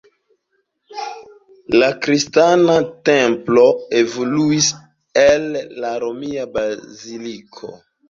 La kristana templo evoluis el la romia baziliko.